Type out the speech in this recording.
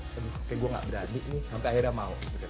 kayak gue nggak berani ini sampai akhirnya mau